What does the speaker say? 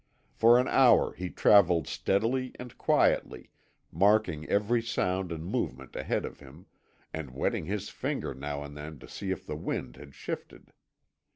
For an hour he travelled steadily and quietly, marking every sound and movement ahead of him, and wetting his finger now and then to see if the wind had shifted.